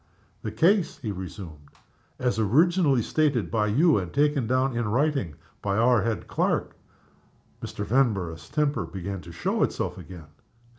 "The case," he resumed, "as originally stated by you, and taken down in writing by our head clerk." Mr. Vanborough's temper began to show itself again.